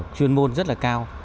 chuyên môn rất là cao